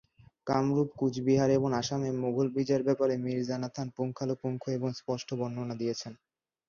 কামরূপ, কুচবিহার এবং আসামে মুঘল বিজয়ের ব্যপারে মীর্জা নাথান পুঙ্খানুপুঙ্খ এবং স্পষ্ট বর্ণনা দিয়েছেন।